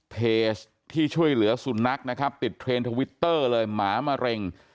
เพจที่ช่วยเหลือสุนัขนะครับติดเทรนด์ทวิตเตอร์เลยหมามะเร็ง